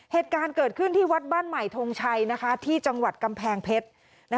เหตุการณ์เกิดขึ้นที่วัดบ้านใหม่ทงชัยที่จังหวัดกำแพงเพชร